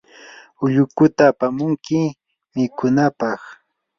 ullukuta apamunki mikunapaq.